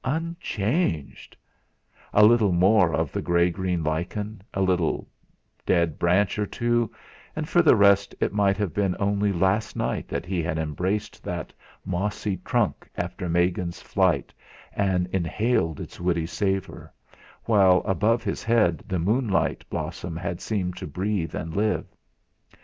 Unchanged! A little more of the greygreen lichen, a dead branch or two, and for the rest it might have been only last night that he had embraced that mossy trunk after Megan's flight and inhaled its woody savour, while above his head the moonlit blossom had seemed to breathe and live.